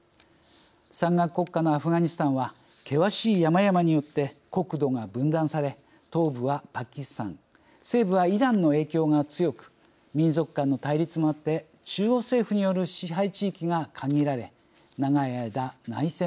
山岳国家のアフガニスタンは険しい山々によって国土が分断され東部はパキスタン西部はイランの影響が強く民族間の対立もあって中央政府による支配地域が限られ長い間内戦が続きました。